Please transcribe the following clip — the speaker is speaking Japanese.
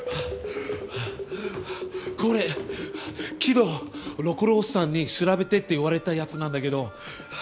これ昨日六郎さんに調べてって言われたやつなんだけど。